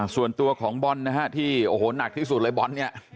ส่วนตัวของบอลนะฮะที่โอ้โหหนักที่สุดเลยบอลเนี่ย